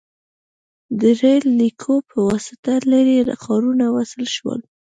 • د ریل لیکو په واسطه لرې ښارونه وصل شول.